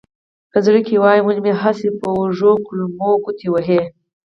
په زړه کې وایم ولې مې هسې په وږو کولمو ګوتې وهې.